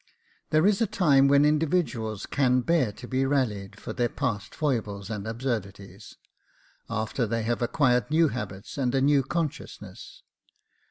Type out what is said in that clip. There is a time when individuals can bear to be rallied for their past follies and absurdities, after they have acquired new habits and a new consciousness.